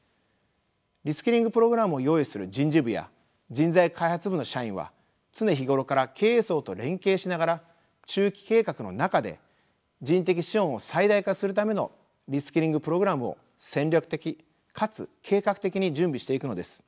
リスキリングプログラムを用意する人事部や人材開発部の社員は常日頃から経営層と連携しながら中期計画の中で人的資本を最大化するためのリスキリングプログラムを戦略的かつ計画的に準備していくのです。